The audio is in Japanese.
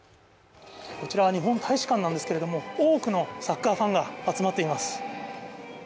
こちらは日本大使館なんですけど多くのサッカーファンが集まっています。